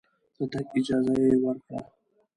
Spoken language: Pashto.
د تګ اجازه یې ورکړه.